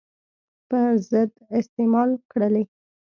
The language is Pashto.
په ضد استعمال کړلې.